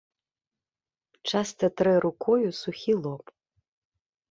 Часта трэ рукою сухі лоб.